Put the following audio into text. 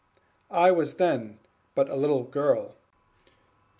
I was then but a little girl."